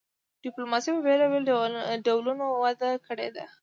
ډیپلوماسي په بیلابیلو ډولونو وده کړې ده